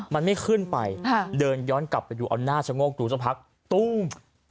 มันไม่ขึ้นไปเดินย้อนกลับไปดูเอาหน้าชะโงกดูสักพักตู้ม